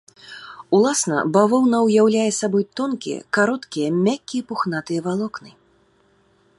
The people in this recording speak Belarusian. Уласна бавоўна ўяўляе сабой тонкія, кароткія, мяккія пухнатыя валокны.